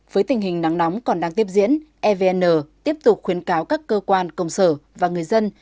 với tình hình nắng nóng còn đang tiếp diễn evn tiếp tục khuyến cáo các cơ quan công sở và người dân